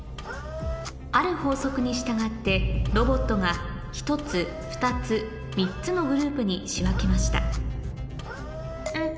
ある法則に従ってロボットが１つ２つ３つのグループに仕分けましたん？